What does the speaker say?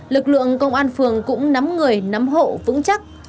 lực lượng công an phường cũng nắm người nắm hộ vững chắc